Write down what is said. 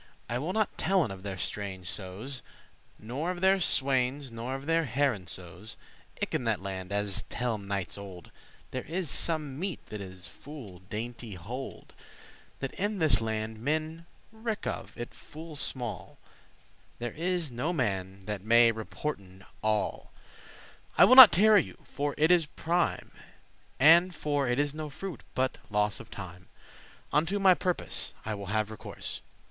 I will not tellen of their strange sewes,* *dishes <6> Nor of their swannes, nor their heronsews.* *young herons <7> Eke in that land, as telle knightes old, There is some meat that is full dainty hold, That in this land men *reck of* it full small: *care for* There is no man that may reporten all. I will not tarry you, for it is prime, And for it is no fruit, but loss of time; Unto my purpose* I will have recourse.